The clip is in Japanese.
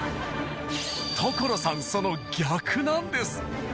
所さんその逆なんです。